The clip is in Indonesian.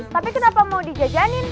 tapi kenapa mau dijajanin